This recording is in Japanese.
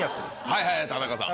はいはい田中さん。